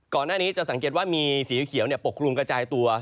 ก่อนหน้านี้จะสังเกตว่ามีสีเขียวปกคลุมกระจายตัว